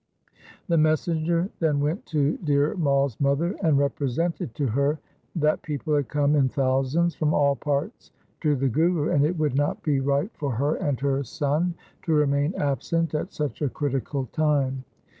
' The messenger then went to Dhir Mai's mother and represented to her that people had come in thousands from all parts to the Guru, and it would not be right for her and her son 1 Maru. 232 THE SIKH RELIGION to remain absent at such a critical time.